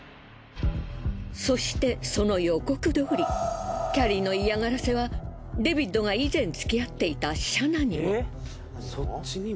そしてその予告どおりキャリーの嫌がらせはデビッドが以前つきあっていたシャナにも。